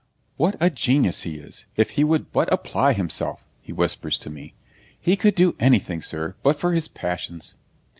'What a genius he is, if he would but apply himself!' he whispers to me. 'He could be anything, sir, but for his passions.